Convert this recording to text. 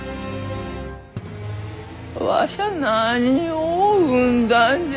わしゃ何を生んだんじゃ？